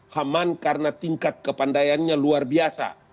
haman karena tingkat kepandaiannya luar biasa